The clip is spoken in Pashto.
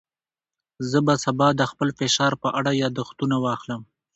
زه به سبا د خپل فشار په اړه یاداښتونه واخلم.